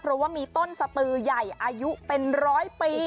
เพราะว่ามีต้นสตือใหญ่อายุเป็นร้อยปี